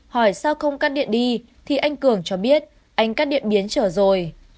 hỏi sao không cắt điện đi thì anh cường cho biết anh cắt điện biến trở rồi